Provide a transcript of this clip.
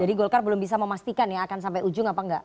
jadi golkar belum bisa memastikan ya akan sampai ujung apa enggak